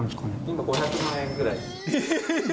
今５００万円ぐらいです。